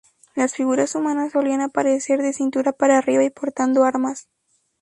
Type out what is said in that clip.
Las figuras humanas solían aparecer de cintura para arriba y portando armas.